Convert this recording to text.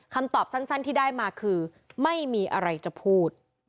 คำตอบสั้นที่ได้มาคือไม่มีอะไรจะพูด